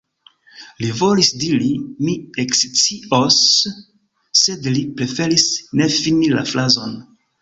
Li volis diri: „mi ekscios“, sed li preferis ne fini la frazon.